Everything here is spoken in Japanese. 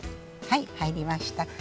はいはいりました。